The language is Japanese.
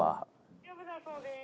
大丈夫だそうです。